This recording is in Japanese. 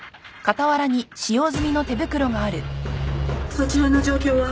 そちらの状況は？